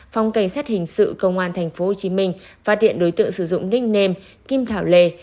phòng cảnh sát hình sự công an tp hcm phát hiện đối tượng sử dụng nicknam kim thảo lê